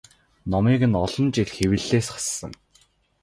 Номыг нь олон жил хэвлэлээс хассан.